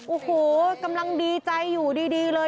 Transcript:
โอ้โหกำลังดีใจอยู่ดีเลย